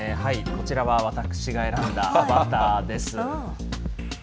こちらは私が選んだアバターです。